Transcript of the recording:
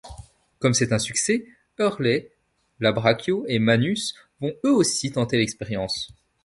Comme c'est un succès, Hurley, Labraccio et Mannus vont eux aussi tenter l'expérience.